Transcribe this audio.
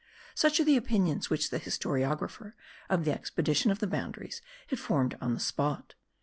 Such are the opinions which the historiographer of the Expedition of the Boundaries had formed on the spot.